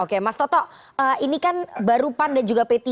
oke mas toto ini kan baru pan dan juga p tiga